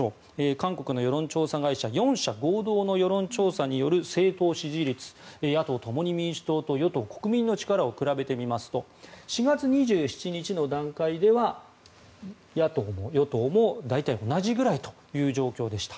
韓国の世論調査会社４社合同の世論調査による政党支持率、野党・共に民主党と与党・国民の力を比べてみますと４月２７日の段階では野党も与党も大体同じぐらいという状況でした。